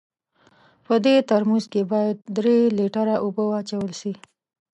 په دې ترموز کې باید درې لیټره اوبه واچول سي.